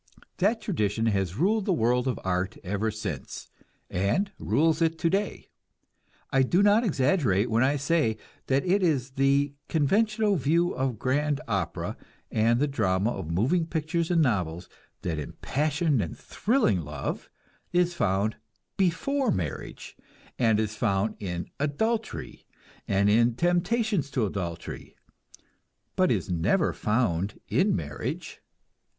That tradition has ruled the world of art ever since, and rules it today. I do not exaggerate when I say that it is the conventional view of grand opera and the drama, of moving pictures and novels, that impassioned and thrilling love is found before marriage, and is found in adultery and in temptations to adultery, but is never found in marriage.